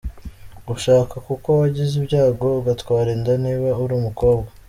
Gushaka kuko wagize ibyago ugatwara inda niba uri umukobwa.